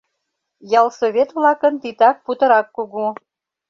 Ялсовет-влакын титак путырак кугу.